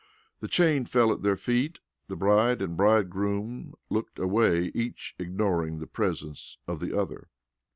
The chain fell at their feet. The bride and bridegroom looked away, each ignoring the presence of the other.